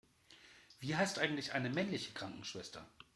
Wie heißt eigentlich eine männliche Krankenschwester?